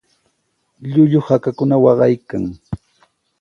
Llullu hakakuna waqaykan.